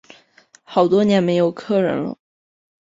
好多年没有客人了